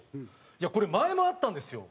「いやこれ前もあったんですよ」